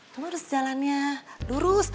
kamu harus jalannya lurus